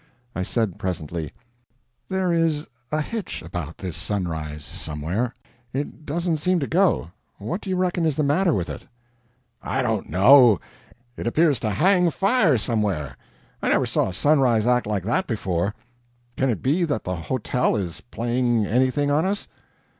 I said, presently: "There is a hitch about this sunrise somewhere. It doesn't seem to go. What do you reckon is the matter with it?" "I don't know. It appears to hang fire somewhere. I never saw a sunrise act like that before. Can it be that the hotel is playing anything on us?"